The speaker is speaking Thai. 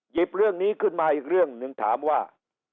เรื่องนี้ขึ้นมาอีกเรื่องหนึ่งถามว่า